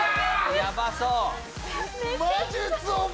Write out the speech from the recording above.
やばそう！